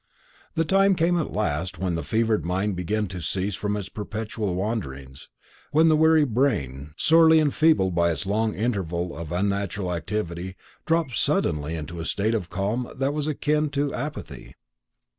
The time came at last when the fevered mind began to cease from its perpetual wanderings; when the weary brain, sorely enfeebled by its long interval of unnatural activity, dropped suddenly into a state of calm that was akin to apathy.